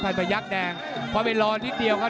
พยักษ์แดงพอไปรอนิดเดียวครับ